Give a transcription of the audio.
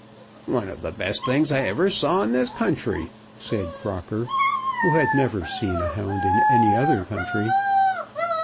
"One of the best things I ever saw in this country," said Crocker, who had never seen a hound in any other country.